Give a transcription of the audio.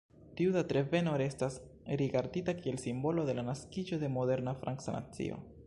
Tiu datreveno restas rigardita kiel simbolo de la naskiĝo de moderna franca nacio.